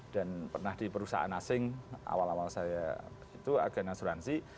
dan pernah di perusahaan asing awal awal saya itu agen asuransi